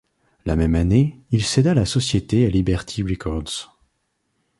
La même année, il céda la société à Liberty Records.